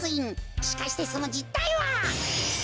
しかしてそのじったいは。